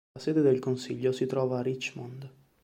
La sede del consiglio si trova a Richmond.